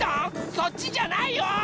そっちじゃないよ！